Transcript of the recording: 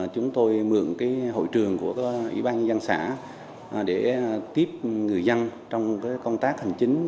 chúng tôi mượn hội trường của ủy ban nhân dân xã để tiếp người dân trong công tác hành chính